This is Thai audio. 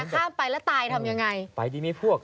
ข้ามไปแล้วตายทำยังไงไปดีมีพวก